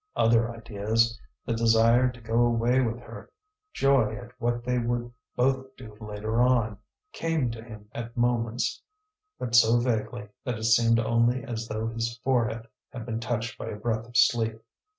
Other ideas, the desire to go away with her, joy at what they would both do later on, came to him at moments, but so vaguely that it seemed only as though his forehead had been touched by a breath of sleep.